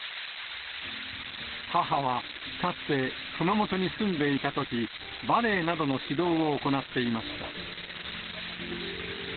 母は、かつて熊本に住んでいたとき、バレエなどの指導を行っていました。